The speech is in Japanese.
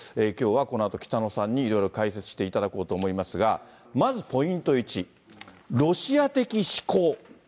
きょうはこのあと北野さんにいろいろ解説していただこうと思いますが、まずポイント１、ロシア的思考。